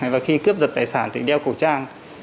và khi cướp giật tài sản thì đeo khẩu trang